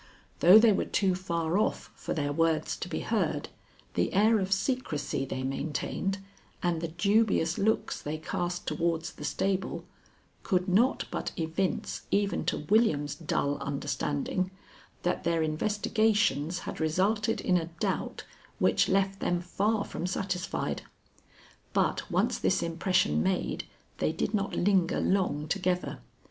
Though they were too far off for their words to be heard, the air of secrecy they maintained and the dubious looks they cast towards the stable, could not but evince even to William's dull understanding that their investigations had resulted in a doubt which left them far from satisfied; but, once this impression made, they did not linger long together.